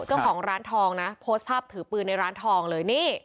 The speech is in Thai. เจ้าของร้านทองนะโพสต์ภาพถือปืนในร้านทองเลยนี่